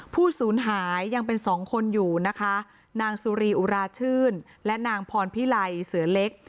ผู้สูญหายยังเป็นสองคนอยู่นะคะนางสุรีอุราชื่นและนางพรพิไลเสือเล็ก